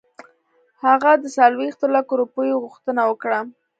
هغه د څلوېښتو لکو روپیو غوښتنه وکړه.